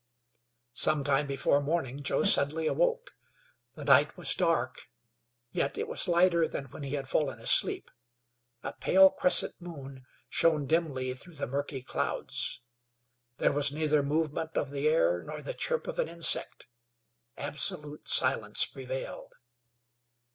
Some time before morning Joe suddenly awoke. The night was dark, yet it was lighter than when he had fallen asleep. A pale, crescent moon shown dimly through the murky clouds. There was neither movement of the air nor the chirp of an insect. Absolute silence prevailed.